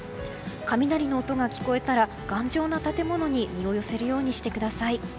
雷の音が聞こえたら頑丈な建物に身を寄せるようにしてください。